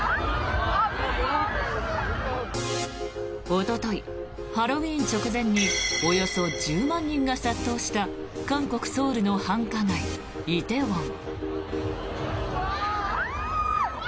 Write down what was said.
おととい、ハロウィーン直前におよそ１０万人が殺到した韓国ソウルの繁華街、梨泰院。